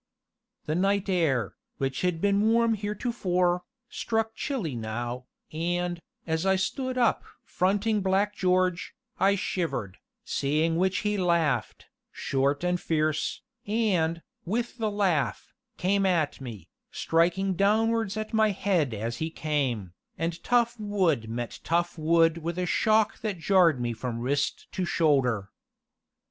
The night air, which had been warm heretofore, struck chilly now, and, as I stood up fronting Black George, I shivered, seeing which he laughed, short and fierce, and, with the laugh, came at me, striking downwards at my head as he came, and tough wood met tough wood with a shock that jarred me from wrist to shoulder.